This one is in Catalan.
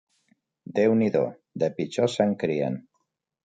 Déu n'hi do, de pitjors se'n crien